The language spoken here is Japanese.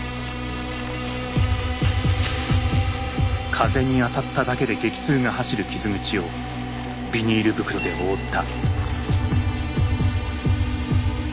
風に当たっただけで激痛が走る傷口をビニール袋で覆った。